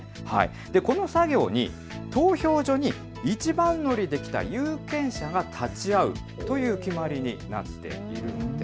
この作業に投票所に一番乗りできた有権者が立ち会うという決まりになっているんです。